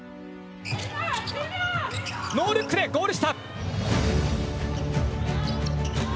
ノールックでゴール下！